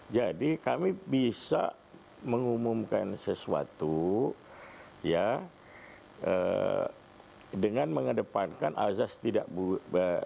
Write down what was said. jadi kami bisa mengumumkan sesuatu dengan mengedepankan azas perangkat